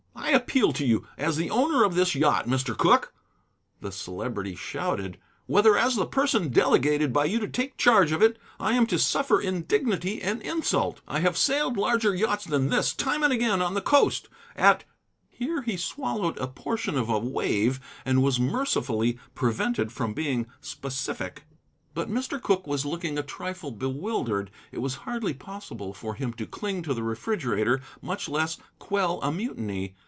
"I appeal to you, as the owner of this yacht, Mr. Cooke," the Celebrity shouted, "whether, as the person delegated by you to take charge of it, I am to suffer indignity and insult. I have sailed larger yachts than this time and again on the coast, at " here he swallowed a portion of a wave and was mercifully prevented from being specific. But Mr. Cooke was looking a trifle bewildered. It was hardly possible for him to cling to the refrigerator, much less quell a mutiny.